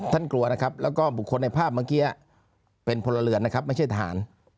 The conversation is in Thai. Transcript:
กลัวนะครับแล้วก็บุคคลในภาพเมื่อกี้เป็นพลเรือนนะครับไม่ใช่ทหาร